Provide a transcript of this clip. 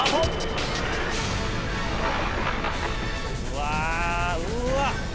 うわうわっ！